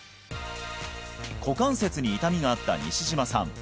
股関節に痛みがあった西島さん